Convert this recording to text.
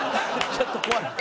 ちょっと怖い。